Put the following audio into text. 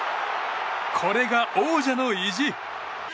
これが王者の意地。